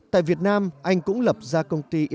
tại vn anh cũng lập ra công ty